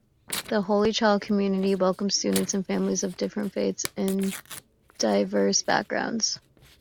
The Holy Child community welcomes students and families of different faiths and diverse backgrounds.